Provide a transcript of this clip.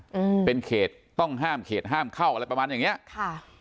อืมเป็นเขตต้องห้ามเขตห้ามเข้าอะไรประมาณอย่างเนี้ยค่ะ